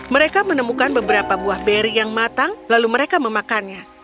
mereka menemukan beberapa buah beri yang matang lalu mereka memakannya